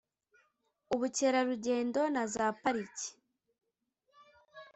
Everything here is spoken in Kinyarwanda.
ubukerarugendo na za pariki